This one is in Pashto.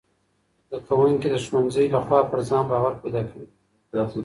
زدهکوونکي د ښوونځي له خوا پر ځان باور پیدا کوي.